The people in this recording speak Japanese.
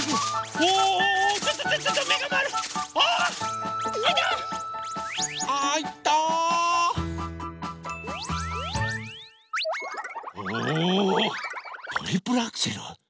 おおトリプルアクセル？